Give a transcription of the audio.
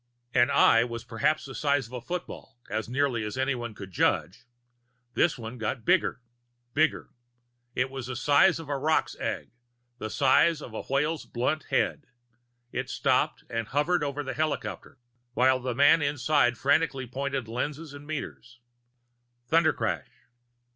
An Eye was perhaps the size of a football, as near as anyone could judge. This one got bigger, bigger. It was the size of a roc's egg, the size of a whale's blunt head. It stopped and hovered over the helicopter, while the man inside frantically pointed lenses and meters Thundercrash.